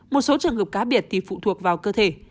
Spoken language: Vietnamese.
một số trường hợp cá biệt thì phụ thuộc vào cơ thể